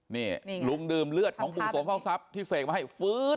นี่ลุงดื่มเลือดของลุงสมเข้าทรัพย์ที่เสกมาให้ฟื๊ด